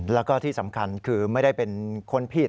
แล้วก็ที่สำคัญคือไม่ได้เป็นคนผิด